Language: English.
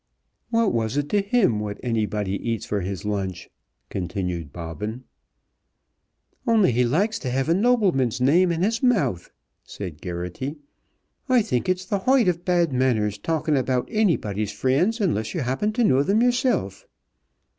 "What was it to him what anybody eats for his lunch?" continued Bobbin. "Only he likes to have a nobleman's name in his mouth," said Geraghty. "I think it's the hoighth of bad manners talking about anybody's friends unless you happen to know them yourself."